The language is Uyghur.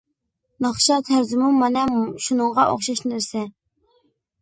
ناخشا تەرزىمۇ مانا شۇنىڭغا ئوخشاش نەرسە.